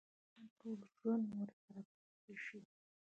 انسان ټول ژوند ورسره پاتې شي.